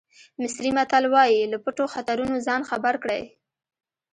مصري متل وایي له پټو خطرونو ځان خبر کړئ.